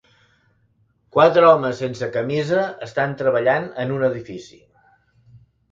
Quatre homes sense camisa estan treballant en un edifici.